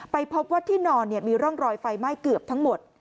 พบว่าที่นอนมีร่องรอยไฟไหม้เกือบทั้งหมด